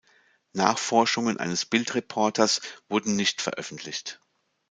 Nachforschungen eines Bild-Reporters wurden nicht veröffentlicht.